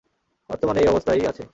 বর্তমানে এই অবস্থায়ই আছে।